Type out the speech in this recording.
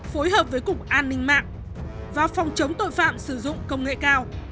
phối hợp với cục an ninh mạng và phòng chống tội phạm sử dụng công nghệ cao